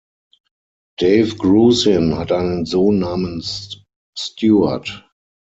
Dave Grusin hat einen Sohn namens Stuart.